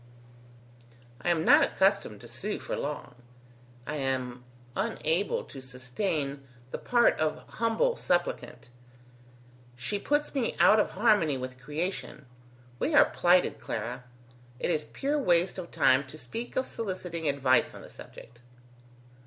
I am not accustomed to sue for long: I am unable to sustain the part of humble supplicant. She puts me out of harmony with creation We are plighted, Clara. It is pure waste of time to speak of soliciting advice on the subject."